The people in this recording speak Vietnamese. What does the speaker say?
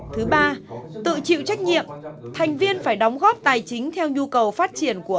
thứ ba tự chịu trách nhiệm thành viên phải đóng góp tài chính theo nhu cầu phát triển của